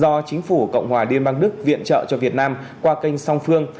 do chính phủ cộng hòa liên bang đức viện trợ cho việt nam qua kênh song phương